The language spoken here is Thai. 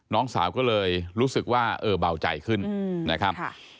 น้องสาวก็เลยรู้สึกว่าเออเบาใจขึ้นนะครับ